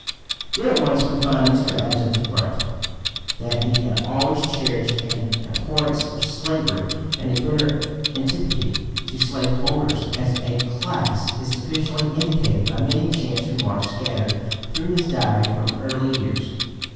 Then at once we find Mr. Adams at the front. That he had always cherished an abhorrence of slavery and a bitter antipathy to slave holders as a class is sufficiently indicated by many chance remarks scattered through his Diary from early years.